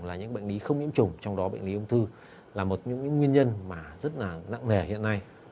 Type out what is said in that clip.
là những bệnh lý không nhiễm trùng trong đó bệnh lý ung thư là một những nguyên nhân rất nặng nề hiện nay